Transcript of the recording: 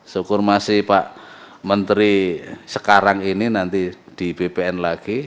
sukurmasi pak menteri sekarang ini nanti di bpn lagi